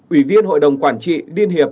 ủy viên hội đồng quản trị điên hiệp